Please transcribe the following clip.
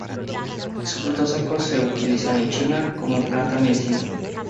Su fruto seco se utilizan en China como planta medicinal.